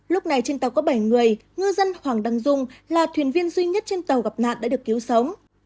lúc này trên tàu có bảy người ngư dân hoàng đăng dung là thuyền viên duy nhất trên tàu gặp nạn đã được cứu sống